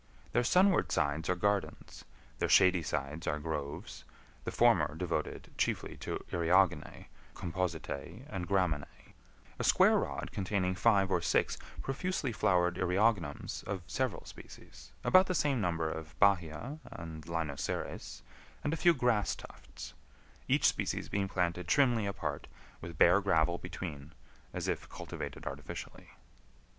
Their sunward sides are gardens, their shady sides are groves; the former devoted chiefly to eriogonae, compositae, and graminae; a square rod containing five or six profusely flowered eriogonums of several species, about the same number of bahia and linosyris, and a few grass tufts; each species being planted trimly apart, with bare gravel between, as if cultivated artificially.